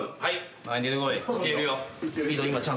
はい。